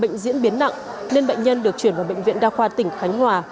bệnh diễn biến nặng nên bệnh nhân được chuyển vào bệnh viện đa khoa tỉnh khánh hòa